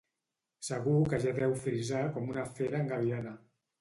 Segur que ja deu frisar com una fera engabiada.